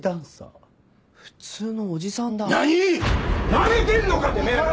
なめてんのかてめえら！